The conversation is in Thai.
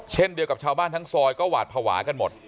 เช่นเดียวกับชาวบ้านทั้งซอยก็หวาดภาวะกันหมด